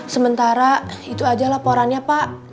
sementara itu aja laporannya pak